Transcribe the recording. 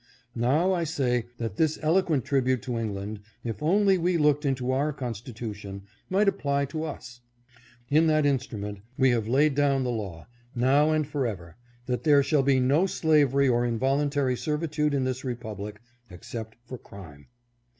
Now I say that this eloquent tribute to England, if only we looked into our constitution, might apply to us. In that instrument we have laid down the law, now and forever, that there shall be no slavery or involuntary servitude in this republic, except for crime.